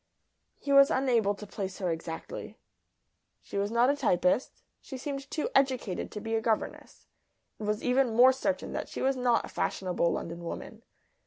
He was unable to place her exactly. She was not a typist. She seemed too educated to be a governess. It was even more certain that she was not a fashionable London woman.